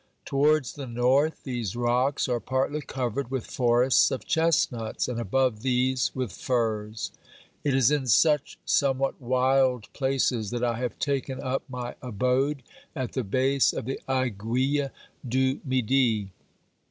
Towards the north these rocks are partly covered with forests of chestnuts, and above these with firs. It is in such somewhat wild places that I have taken up my abode, at the base of the Aiguille du Midi.